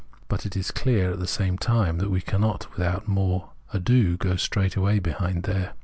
But it is clear at the same time that we cannot without more ado go straightway behind there.